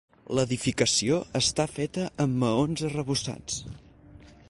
L'edificació està feta amb maons arrebossats.